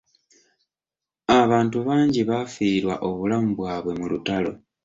Abantu bangi baafiirwa obulamu bwabwe mu lutalo.